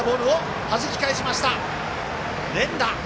連打！